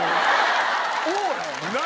オーラやな。